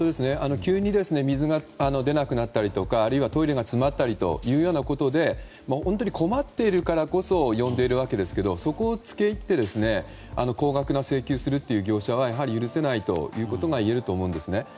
急に水が出なくなったりとかトイレが詰まったりとかで本当に困っているからこそ呼んでいるわけですけどそこに付け入って高額な請求をする業者はやはり許せないということがいえると思うんですね。